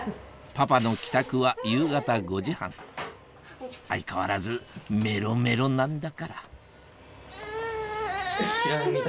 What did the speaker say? パパの帰宅は夕方５時半相変わらずメロメロなんだからうぅ。